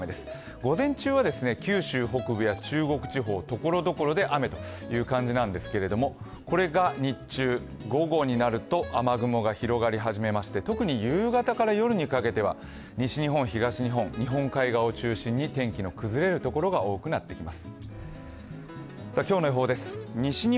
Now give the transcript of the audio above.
午前中は九州北部や中国地方、所々で雨という感じなんですが、これが日中、午後になると雨雲が広がり始めまして特に夕方から夜にかけては西日本、東日本、日本海側を中心に天気の崩れるところが多くなっています。